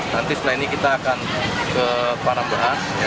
nanti setelah ini kita akan ke parambahan